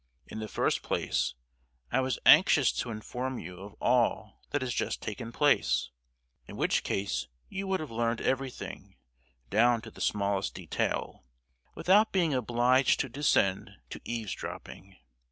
In the first place I was anxious to inform you of all that has just taken place, in which case you would have learned everything, down to the smallest detail, without being obliged to descend to eavesdropping!